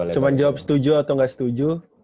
cuman jawab setuju atau gak setuju